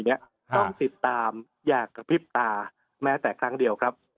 ต้องติดตามอย่ากระพริบตาแม้แต่ครั้งเดียวครับ